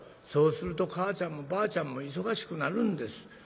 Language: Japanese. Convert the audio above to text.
そうすると母ちゃんもばあちゃんも忙しくなるんです。